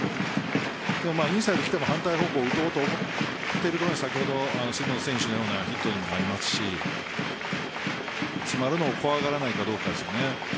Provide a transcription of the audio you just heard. インサイド来ても反対方向を打とうと思っているのは先ほどの杉本選手のようなヒットにもなりますし詰まるのを怖がらないかどうかですね。